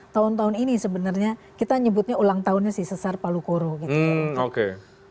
tahun tahun ini sebenarnya kita nyebutnya ulang tahunnya sih sesar palu koro gitu